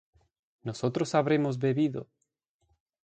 ¿nosotros habremos bebido?